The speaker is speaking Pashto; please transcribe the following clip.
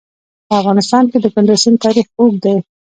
په افغانستان کې د کندز سیند تاریخ اوږد دی.